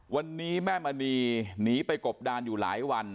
วันนี้แม่มณีหนีไปกบดานอยู่หลายวัน